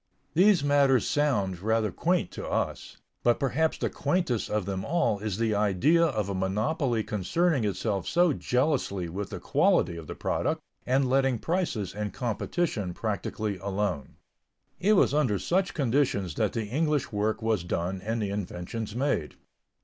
These matters sound rather quaint to us, but perhaps the quaintest of them all is the idea of a monopoly concerning itself so jealously with the quality of the product, and letting prices and competition practically alone. It was under such conditions that the English work was done and the inventions made.